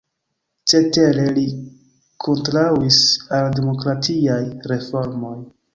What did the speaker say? Cetere li kontraŭis al demokratiaj reformoj.